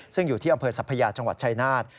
ซึ่งอยู่ที่อำเภอสัพยาจังหวัดชายนาฏ